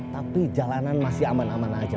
tapi jalanan masih aman aman aja